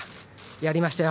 やりましたよ！